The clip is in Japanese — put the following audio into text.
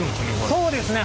そうですね。